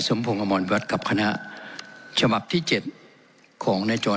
สภงอมวณวิราตกับคณะจบับที่เจ็ดของนายจรอน